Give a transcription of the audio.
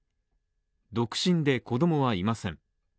独身で子供はいません。